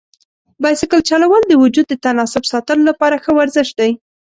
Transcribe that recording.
بایسکل چلول د وجود د تناسب ساتلو لپاره ښه ورزش دی.